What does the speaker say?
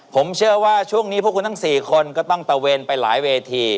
ผมเชื่อว่าช่วงนี้พวกคุณทั้ง๔คนก็ต้องตะเวนไปหลายเวที